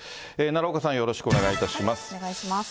奈良岡さん、よろしくお願いいたします。